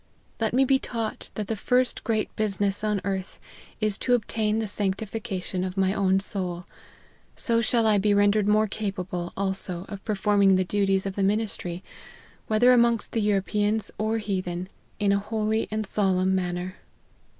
Let me be taught that the first great business on earth is to obtain the sanctification of my own soul : so shall I be rendered more capable also of performing the duties of the ministry, whether amongst the Europeans or heathen, in a holy and solemn manner.